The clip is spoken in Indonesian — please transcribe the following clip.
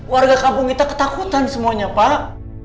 warga kampung kita ketakutan semuanya pak